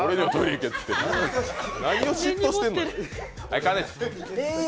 何を嫉妬してんのよ。